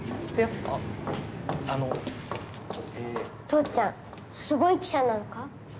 父ちゃんすごい記者なのか？